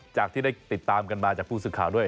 จากที่ได้ติดตามกันมาจากผู้สื่อข่าวด้วย